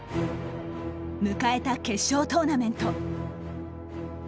迎えた決勝トーナメント。